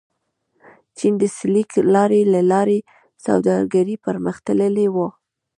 چین د سیلک لارې له لارې سوداګري پرمختللې وه.